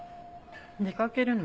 出かけるの？